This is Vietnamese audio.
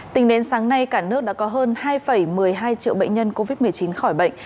tính đến sáng nay cả nước đã có hơn hai một mươi hai triệu bệnh nhân covid một mươi chín khỏi bệnh